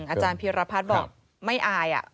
อาจารย์พีรพัฒน์บอกไม่อาย